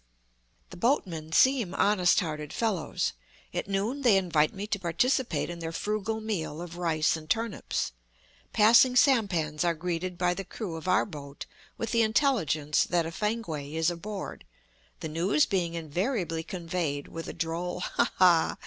The boatmen seem honest hearted fellows; at noon they invite me to participate in their frugal meal of rice and turnips. Passing sampans are greeted by the crew of our boat with the intelligence that a Fankwae is aboard; the news being invariably conveyed with a droll "ha ha!"